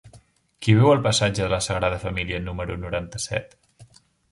Qui viu al passatge de la Sagrada Família número noranta-set?